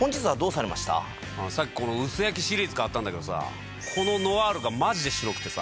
さっきこの薄焼きシリーズ買ったんだけどさぁこのノアールがマジで白くてさ。